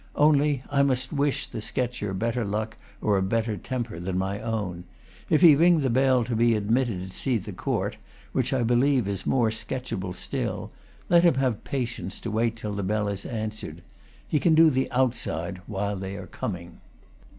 Only I must wish the sketcher better luck or a better temper than my own. If he ring the bell to be admitted to see the court, which I believe is more sketchable still, let him have patience to wait till the bell is answered. He can do the outside while they are coming.